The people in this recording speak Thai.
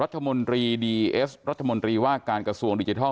รัฐมนตรีดีเอเอสรัฐมนตรีว่าการกระทรวงดิจิทัล